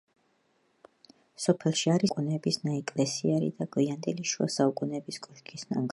სოფელში არის განვითარებული შუა საუკუნეების ნაეკლესიარი და გვიანდელი შუა საუკუნეების კოშკის ნანგრევები.